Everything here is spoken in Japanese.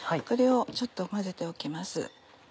これをちょっと混ぜておきます。